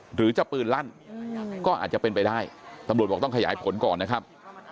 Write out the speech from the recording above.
หรือจะปืนลั่นก็อาจจะเป็นไปได้ตำรวจบอกต้องขยายผลก่อนนะครับ